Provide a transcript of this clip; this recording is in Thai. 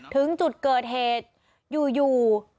ถึงจุดเกิดเหตุอยู่